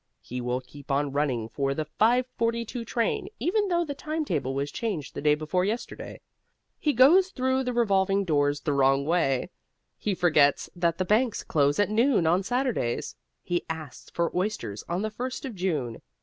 He will keep on running for the 5:42 train, even though the timetable was changed the day before yesterday. He goes through the revolving doors the wrong way. He forgets that the banks close at noon on Saturdays. He asks for oysters on the first of June.